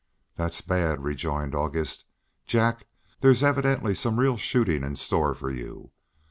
"That's bad," rejoined August. "Jack, there's evidently some real shooting in store for you.